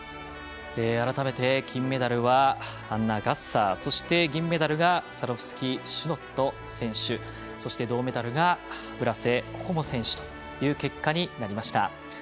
改めて金メダルはアンナ・ガッサーそして銀メダルがサドフスキシノット選手そして銅メダルが村瀬心椛選手という結果でした。